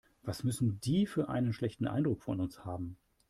Was müssen die für einen schlechten Eindruck von uns haben.